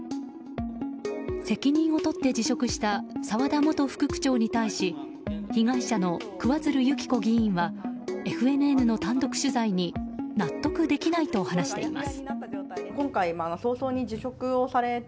責任を取って辞職した澤田元副区長に対し被害者の桑水流弓紀子議員はＦＮＮの単独取材に納得できないと話しています。